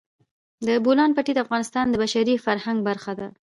د بولان پټي د افغانستان د بشري فرهنګ برخه ده.